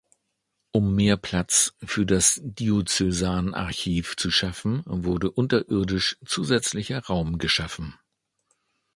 Um mehr Platz für das Diözesanarchiv zu schaffen, wurde unterirdisch zusätzlicher Raum geschaffen.